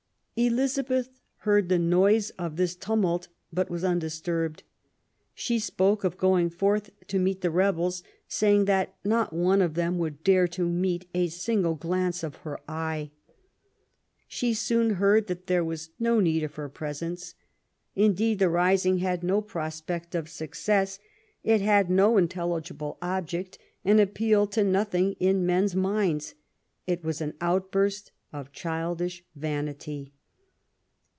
Elizabeth heard the noise of this tumult, but was undisturbed. She spoke of going forth to meet the rebels, saying that " not one of them would dare to meet a single glance of her eye *'. She soon heard that there was no need for her presence. Indeed the rising had no prospect of success; it had no intelligible object, and appealed to nothing in men's minds: it was an outburst of childish vanity.